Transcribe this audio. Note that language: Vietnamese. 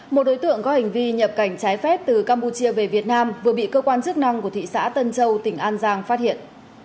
một đối tượng có hành vi nhập cảnh trái phép từ campuchia về việt nam vừa bị cơ quan chức năng của thị xã tân châu tỉnh an giang phát hiện